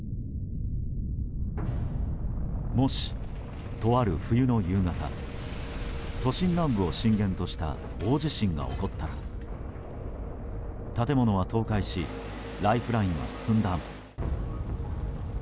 もし、とある冬の夕方都心南部を震源とした大地震が起こったら建物は倒壊しライフラインは寸断。